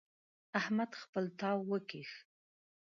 احمد خپل تاو وکيښ.